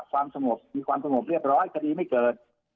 ความสงบมีความสงบเรียบร้อยคดีไม่เกิด